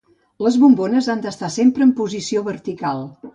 Les bombones han d'estar sempre en posició vertical.